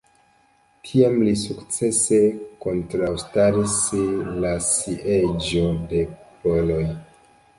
Tiam li sukcese kontraŭstaris la sieĝon de poloj.